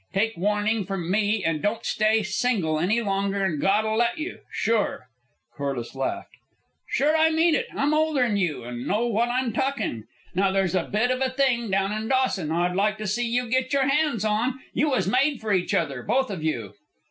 Take warnin' from me and don't stay single any longer than God'll let you, sure!" Corliss laughed. "Sure, I mean it. I'm older'n you, and know what I'm talkin'. Now there's a bit of a thing down in Dawson I'd like to see you get your hands on. You was made for each other, both of you."